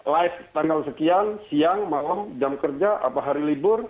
live tanggal sekian siang malam jam kerja apa hari libur